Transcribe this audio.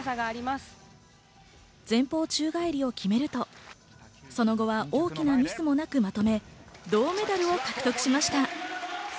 前方宙返りを決めると、その後は大きなミスもなくまとめ、銅メダルを獲得しました。